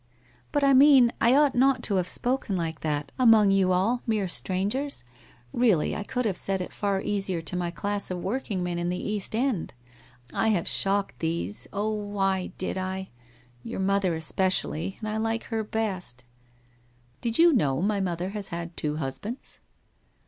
' But I mean, I ought not to have spoken like that, among you all, mere strangers. Really, I could have said WHITE ROSE OF WEARY LEAF 93 it far easier to my class of working men in the East End. I have shocked these, oh, why did I? Your mother espe cially, and I like her best.' 1 Did you know my mother has had two husbands?